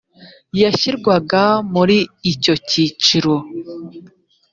yashyirwaga muri icyo cyiciro